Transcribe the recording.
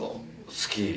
好き。